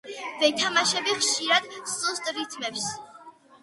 ვეთამაშები ხშირად სუსტ რითმებს.